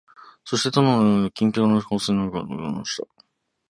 そして戸の前には金ピカの香水の瓶が置いてありました